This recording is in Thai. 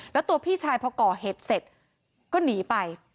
แล้วตัวพี่ชายพอก่อเหตุเสร็จก็หนีไป